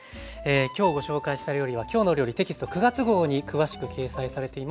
今日ご紹介した料理は「きょうの料理」テキスト９月号に詳しく掲載されています。